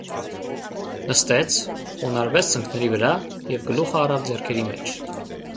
Նստեց, խոնարհվեց ծնկների վրա և գլուխը առավ ձեռքերի մեջ: